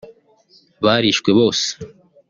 barishwe bose